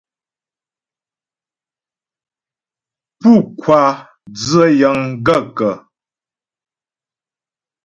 Pú ŋkwáa dzə́ yəŋ gaə̂kə̀ ?